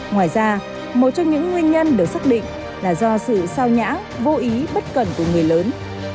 ngoài ra một trong những nguyên nhân được xác định là do sự sao nhãn vô ý bất cần của người lớn